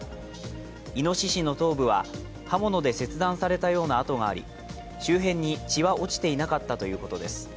いのししの頭部は刃物で切断されたような痕があり周辺に血は落ちていなかったということです。